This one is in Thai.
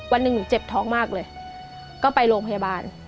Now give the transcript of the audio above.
วันหนึ่งหนูเจ็บท้องมากเลยก็ไปโรงพยาบาล